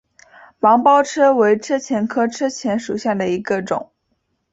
芒苞车前为车前科车前属下的一个种。